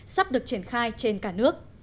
sắp được triển khai trên cả nước